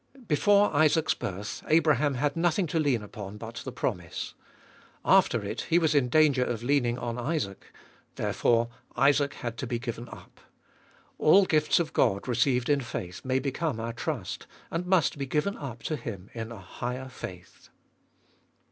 2. Before Isaac's birth Abraham had nothing to lean upon but the promise. After it he was in danger of leaning on Isaac: therefore, Isaac had to be given up. All gifts of God received in faith may become our trust, and must be giuen up to Him in a higher faith.